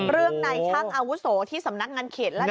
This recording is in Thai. เรื่องในช่างอาวุศโศที่สำนักงานเขตรัฐบัง